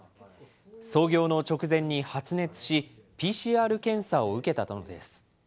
創業の直前に、発熱し、ＰＣＲ検査を受けたのです。